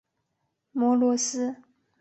摩罗斯。